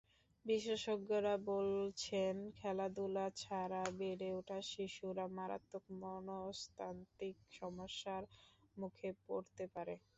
বিশেষজ্ঞরা বলছেন, খেলাধুলা ছাড়া বেড়ে ওঠা শিশুরা মারাত্মক মনস্তাত্ত্বিক সমস্যার মুখে পড়তে পারে।